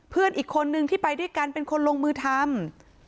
เพื่อนอีกคนนึงที่ไปด้วยกันเป็นคนลงมือทำ